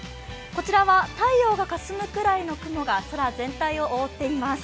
こちらは太陽がかすむくらいの雲が、空全体を覆っています。